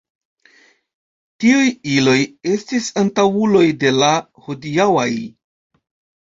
Tiuj iloj estis antaŭuloj de la hodiaŭaj.